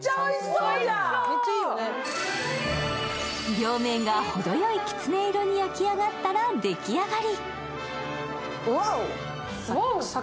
両面が程よいきつね色になったら出来上がり。